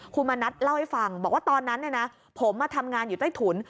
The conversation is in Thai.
คุณมณัฐเล่าให้ฟังบอกว่าตอนนั้นผมมาทำงานอยู่ใต้ถุน